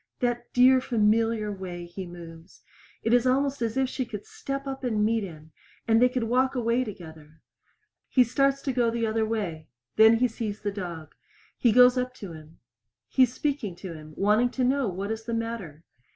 That dear familiar way he moves! It is almost as if she could step up and meet him, and they could walk away together. He starts to go the other way. Then he sees the dog. He goes up to him; he is speaking to him, wanting to know what is the matter.